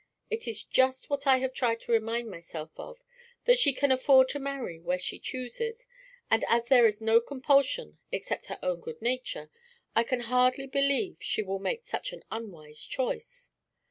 It is just what I have tried to remind myself of, that she can afford to marry where she chooses, and as there is no compulsion except her own good nature, I can hardly believe she will make such an unwise choice.